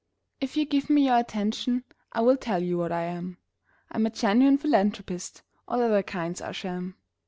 If you give me your attention, I will tell you what I am: I'm a genuine philanthropist all other kinds are sham.